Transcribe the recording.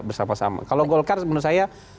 bersama sama kalau golkar menurut saya